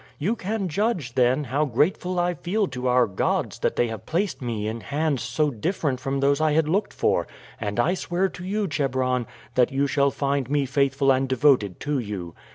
You can judge, then, how grateful I feel to our gods that they have placed me in hands so different from those I had looked for, and I swear to you, Chebron, that you shall find me faithful and devoted to you.